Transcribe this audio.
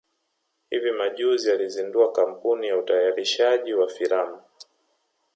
hivi majuzi alizindua kampuni ya utayarishaji wa filamu